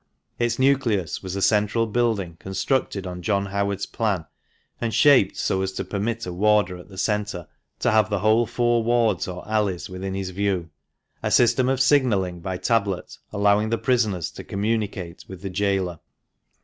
Its nucleus was a central building constructed on John Howard's plan, and shaped so as to permit a warder at the centre to have the whole four wards or alleys within his view, a system of signalling by tablet allowing the prisoners to communicate with the gaoler.